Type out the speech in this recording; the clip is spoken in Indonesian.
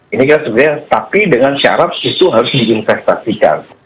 ini kan sebenarnya tapi dengan syarat itu harus diinvestasikan